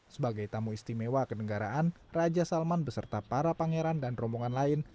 sebagai tamu istimewa kenegaraan raja salman beserta para pangeran dan rombongan lain